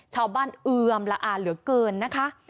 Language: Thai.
ชาวบ้าน๐๐๐ละอาเหลือเกินนะคะ